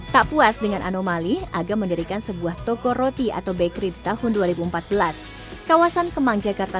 jadi enakan mana jadi karyawan atau jadi pengusaha